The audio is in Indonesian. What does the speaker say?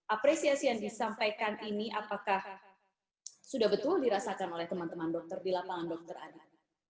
apresiasi yang disampaikan ini apakah sudah betul dirasakan oleh teman teman dokter di lapangan dokter adana